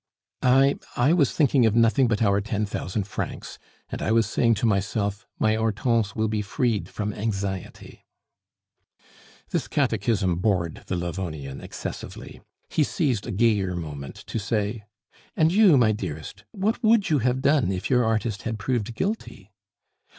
"I, I was thinking of nothing but our ten thousand francs, and I was saying to myself, 'My Hortense will be freed from anxiety.'" This catechism bored the Livonian excessively; he seized a gayer moment to say: "And you, my dearest, what would you have done if your artist had proved guilty?"